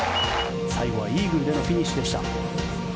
最後はイーグルでのフィニッシュでした。